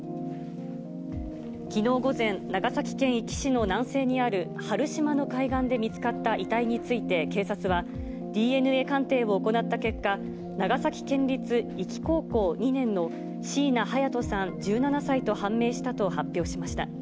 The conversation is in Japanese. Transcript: きのう午前、長崎県壱岐市の南西にある原島の海岸で見つかった遺体について警察は、ＤＮＡ鑑定を行った結果、長崎県立壱岐高校２年の椎名隼都さん１７歳と判明したと発表しました。